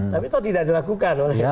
tapi itu tidak dilakukan